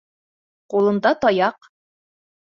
Ҡулында таяҡ.